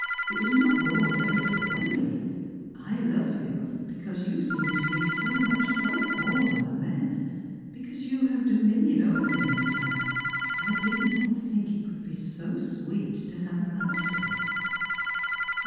It was not your face that won me. I love you because you seem to me so much above all other men ; because you have dominion over me, in fact. I did not think it could be so sweet to have a master."